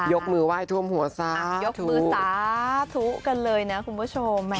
ยกมือไหว้ท่วมหัวซ้าธุกันเลยนะคุณผู้ชมแหม